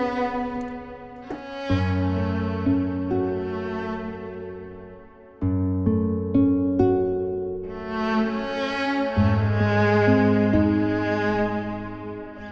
ada satu senyawa yang sangat meng finishing namanya